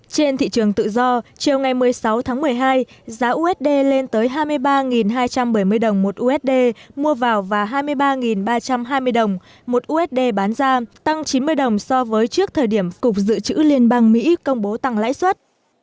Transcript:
trên thị trường tự do chiều ngày một mươi sáu tháng một mươi hai giá usd lên tới hai mươi ba hai trăm bảy mươi đồng một usd mua vào và hai mươi ba ba trăm hai mươi đồng một usd bán ra tăng chín mươi đồng so với trước thời điểm cục dự trữ liên bang mỹ công bố tăng lãi suất